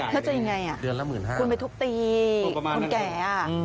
ถ้าจะยังไงคุณไปทุกตีคุณแก